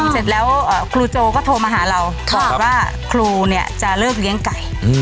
เสร็จแล้วครูโจก็โทรมาหาเราบอกว่าครูเนี่ยจะเลิกเลี้ยงไก่